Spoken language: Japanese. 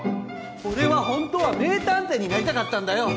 俺はホントは名探偵になりたかったんだよ